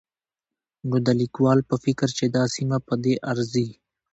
نو د ليکوال په فکر چې دا سيمه په دې ارځي